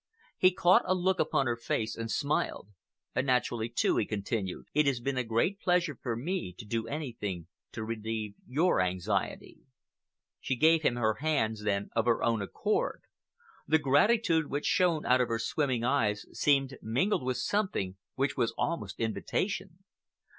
He caught a look upon her face and smiled. "Naturally, too," he continued, "it has been a great pleasure for me to do anything to relieve your anxiety." She gave him her hands then of her own accord. The gratitude which shone out of her swimming eyes seemed mingled with something which was almost invitation.